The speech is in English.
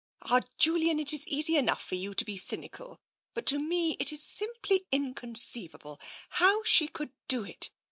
" Ah, Julian, it's easy enough for you to be cynical. But to me it's simply inconceivable — how she could do it.